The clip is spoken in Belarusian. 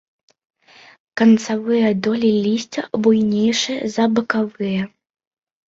Канцавыя долі лісця буйнейшыя за бакавыя.